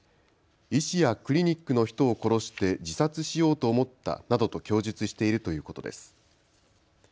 医師やクリニックの人を殺して自殺しようと思ったなどと供述しているということです。